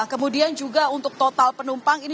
kemudian juga untuk total penumpang ini